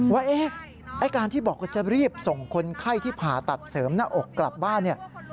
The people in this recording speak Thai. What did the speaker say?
ว่าไอ้การที่บอกว่าจะรีบส่งคนไข้ที่ผ่าตัดเสริมหน้าอกกลับบ้านเนี่ย